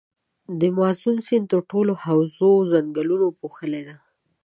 د مازون سیند ټوله حوزه ځنګلونو پوښلي ده.